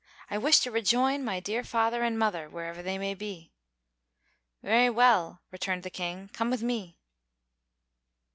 "I wish to rejoin my dear father and mother, wherever they may be." "Very well," returned the King; "come with me."